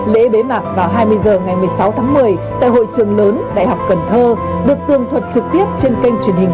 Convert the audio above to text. lễ bế mạc vào hai mươi h ngày một mươi sáu tháng một mươi tại hội trường lớn đại học cần thơ được tường thuật trực tiếp trên kênh truyền hình